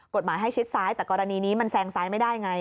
กฎหมายให้ชิดซ้ายแต่กรณีนี้มันแซงซ้ายไม่ได้ไง